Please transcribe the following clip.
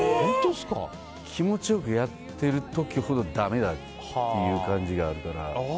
気持ちよくやってる時ほどだめだっていう感じがあるから。